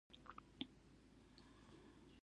خوړل د بهرنیو خوراکونو تجربه ده